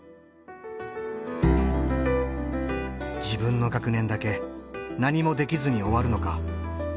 自分の学年だけ何もできずに終わるのか。